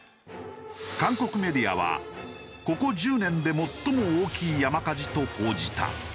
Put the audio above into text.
韓国メディアは「ここ１０年で最も大きい山火事」と報じた。